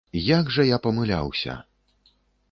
Як жа я памыляўся!